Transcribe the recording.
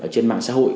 trên mạng xã hội